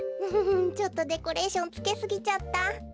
フフフちょっとデコレーションつけすぎちゃった。